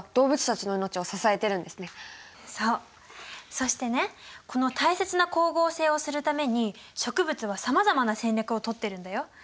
そしてねこの大切な光合成をするために植物はさまざまな戦略をとってるんだよ。